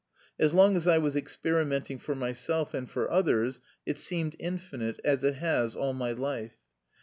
As long as I was experimenting for myself and for others it seemed infinite, as it has all my life.